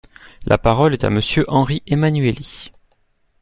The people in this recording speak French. La parole est à Monsieur Henri Emmanuelli.